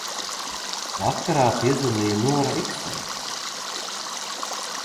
Vakarā piezvanīja Nora Ikstena.